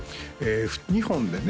２本でね